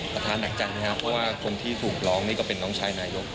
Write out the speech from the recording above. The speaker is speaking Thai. ประธานหนักจังนะครับเพราะว่าคนที่ถูกร้องนี่ก็เป็นน้องชายนายก